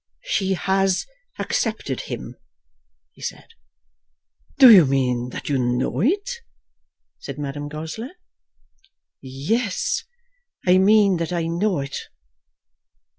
"She has accepted him," he said. "Do you mean that you know it?" said Madame Goesler. "Yes; I mean that I know it."